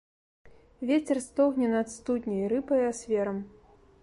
Вецер стогне над студняй, рыпае асверам.